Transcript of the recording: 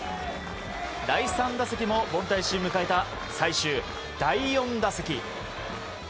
第３打席も凡退し迎えた最終第４打席。